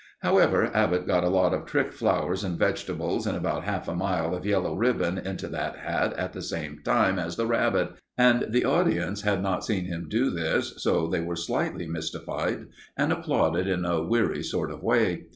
However, Abbott got a lot of trick flowers and vegetables and about half a mile of yellow ribbon into the hat at the same time as the rabbit, and the audience had not seen him do this, so they were slightly mystified, and applauded in a weary sort of way.